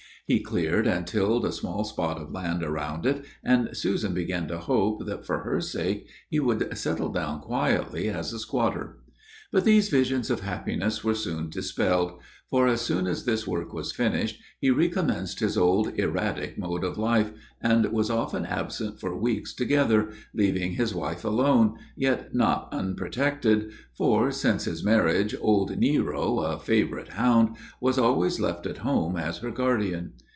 He cleared and tilled a small spot of land around it, and Susan began to hope that, for her sake, he would settle down quietly as a squatter. But these visions of happiness were soon dispelled, for, as soon as this work was finished, he recommenced his old erratic mode of life, and was often absent for weeks together, leaving his wife alone, yet not unprotected, for, since his marriage, old Nero, a favorite hound, was always left at home as her guardian.